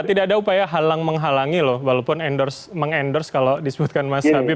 tidak ada upaya halang menghalangi loh walaupun meng endorse kalau disebutkan mas hercaki